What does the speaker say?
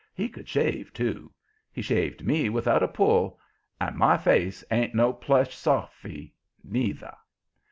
He could shave, too. He shaved me without a pull, and my face ain't no plush sofy, neither.